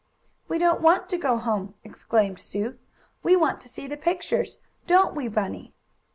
"We don't want to go home!" exclaimed Sue. "We want to see the pictures; don't we, Bunny?"